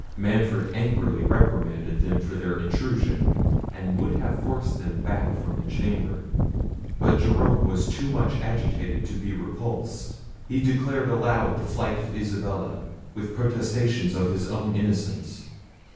Manfred angrily reprimanded them for their intrusion, and would have forced them back from the chamber; but Jerome was too much agitated to be repulsed. He declared aloud the flight of Isabella, with protestations of his own innocence.